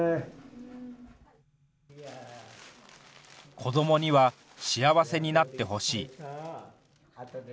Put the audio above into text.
子どもには幸せになってほしい。